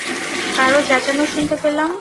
কারো চেঁচানো শুনতে পেলাম।